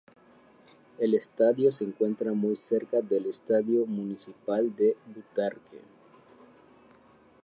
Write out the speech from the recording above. El estadio se encuentra muy cerca del Estadio Municipal de Butarque.